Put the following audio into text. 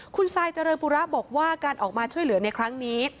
คุณซายเจริญปุระบอกว่าการออกมาช่วยเหลือในครั้งนี้